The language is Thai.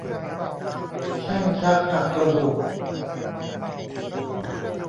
แช่งชักหักกระดูก